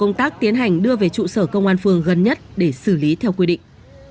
công tác tiến hành đưa về trụ sở công an phường gần nhất để xử lý theo quy định